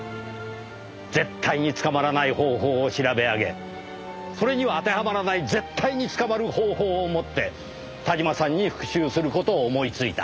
絶対に捕まらない方法を調べ上げそれには当てはまらない絶対に捕まる方法をもって田島さんに復讐する事を思いついた。